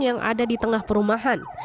yang ada di tengah perumahan